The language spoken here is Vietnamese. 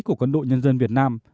của quân đội nhân dân việt nam